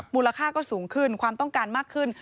มูลค่าก็สูงขึ้นความต้องการมากขึ้น